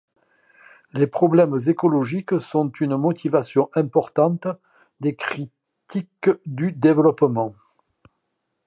Les problèmes écologiques sont une motivation importante des critiques du développement.